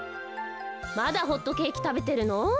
まだホットケーキたべてるの？